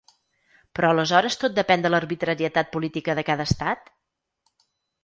Però aleshores tot depèn de l’arbitrarietat política de cada estat?